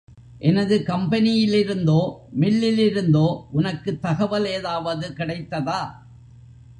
எனது கம்பெனியிலிருந்தோ, மில்லிருந்தோ உனக்கு தகவல் ஏதாவது கிடைத்ததா?